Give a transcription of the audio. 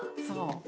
そう。